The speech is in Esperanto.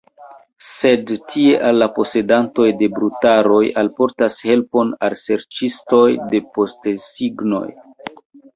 Sed tie al la posedantoj de brutaroj alportas helpon la serĉistoj de postesignoj.